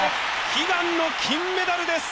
悲願の金メダルです！